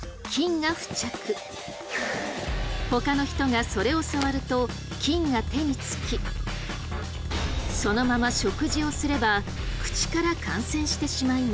ほかの人がそれを触ると菌が手に付きそのまま食事をすれば口から感染してしまいます。